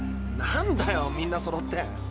なんだよみんなそろって。